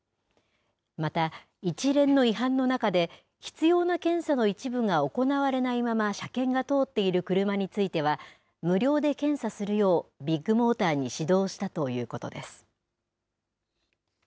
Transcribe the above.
また、一連の違反の中で、必要な検査の一部が行われないまま、車検が通っている車については、無料で検査するようビッグモーターに指導したということです。